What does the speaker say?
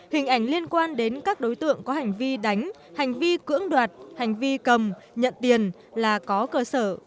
hình ảnh liên quan đến các đối tượng có hành vi đánh hành vi cưỡng đoạt hành vi cầm nhận tiền là có cơ sở